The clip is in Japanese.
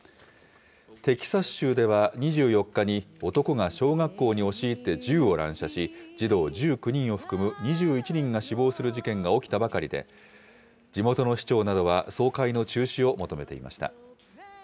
テキサス州では２４日に、男が小学校に押し入って銃を乱射し、児童１９人を含む２１人が死亡する事件が起きたばかりで、地元の市長などは総会の中止を求めていました。